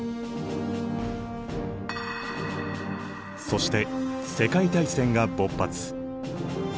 そして世界大戦が勃発。